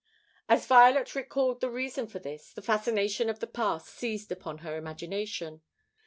As Violet recalled the reason for this, the fascination of the past seized upon her imagination.